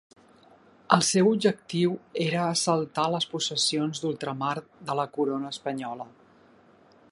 El seu objectiu era assaltar les possessions d'ultramar de la corona espanyola.